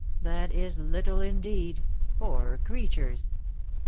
"That is little, indeed, poor creatures!"